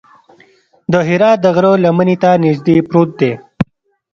د حرا د غره لمنې ته نږدې پروت دی.